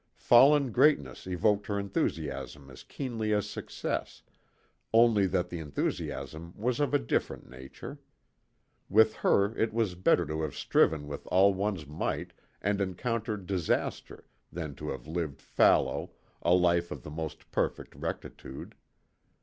Fallen greatness evoked her enthusiasm as keenly as success, only that the enthusiasm was of a different nature. With her it was better to have striven with all one's might and encountered disaster than to have lived fallow, a life of the most perfect rectitude.